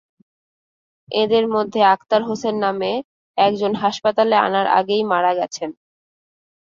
এঁদের মধ্যে আকতার হোসেন নামে একজন হাসপাতালে আনার আগেই মারা গেছেন।